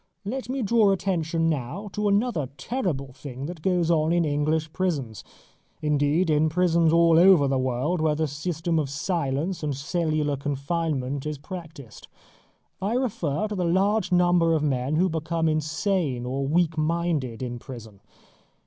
Let me draw attention now to another terrible thing that goes on in English prisons, indeed in prisons all over the world where the system of silence and cellular confinement is practised. I refer to the large number of men who become insane or weak minded in prison.